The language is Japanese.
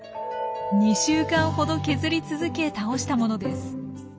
２週間ほど削り続け倒したものです。